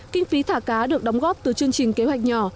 kinh phí thả cá được đóng góp từ chương trình kế hoạch nhỏ